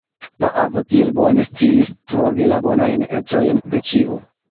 La avo tiel bone sciis trovi la bonajn ecojn de ĉiu!